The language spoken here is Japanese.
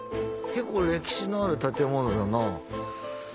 結構歴史のある建物だな。